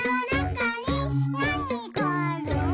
「なにがある？」